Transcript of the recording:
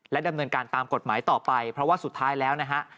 ดำเนินการตามกฎหมายต่อไปเพราะว่าสุดท้ายแล้วนะฮะ